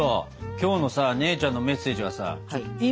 今日のさ姉ちゃんのメッセージはさ意味不明でさ。